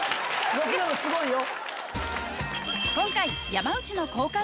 ６でもすごいよ！